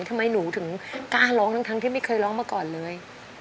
ทำไมหนูถึงกล้าร้องทั้งที่ไม่เคยร้องมาก่อนเลย